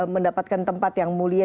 mendapatkan tempat yang mulia